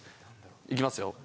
いきますよ。